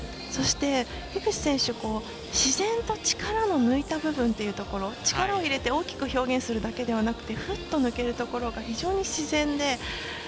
そして、樋口選手自然と力を抜いた部分力を入れて大きく表現するだけではなくてふっと抜けるところが非常に自然で。